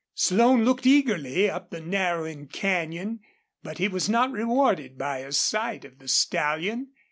Slone looked eagerly up the narrowing canyon, but he was not rewarded by a sight of the stallion.